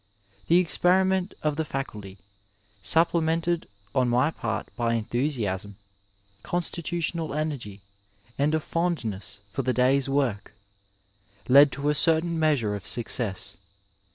The experiment of the Faculty, supplemented on my part by enthusiasm, constitutional energy, and a fond ness for the day's work, led to a certain measure of success.